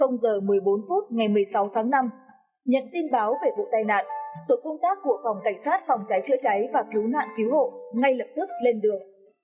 giờ một mươi bốn phút ngày một mươi sáu tháng năm nhận tin báo về vụ tai nạn tổ công tác của phòng cảnh sát phòng cháy chữa cháy và cứu nạn cứu hộ ngay lập tức lên đường